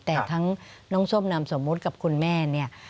แต่ทั้งน้องส้มนามสมมุติกับคุณแม่เนี่ย